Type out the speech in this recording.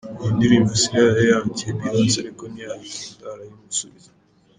Iyi ndirimbo Sia yari yayandikiye Beyonce ariko ntiyayikunda arayimusubiza.